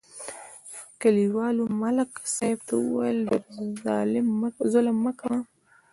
کلیوالو ملک صاحب ته وویل: ډېر ظلم مه کوه